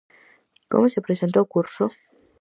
Como se presenta o curso?